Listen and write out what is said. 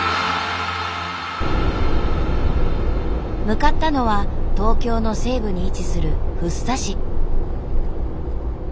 向かったのは東京の西部に位置する福生市。